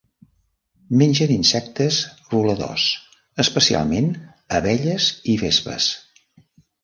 Mengen insectes voladors, especialment abelles i vespes.